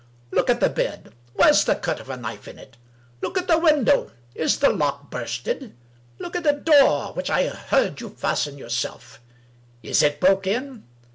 Look at the bed — ^where's the cut of a knife in it ? Look at the window — is the lock bursted? Look at the door (which I heard you fasten yourself) — ^is it broke in?